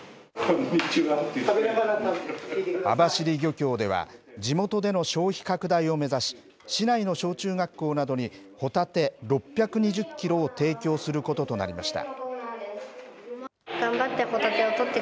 網走漁協では、地元での消費拡大を目指し、市内の小中学校などに、ホタテ６２０キロを提供することとなりました。